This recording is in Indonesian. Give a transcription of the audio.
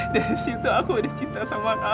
dari situ aku udah cinta sama kamu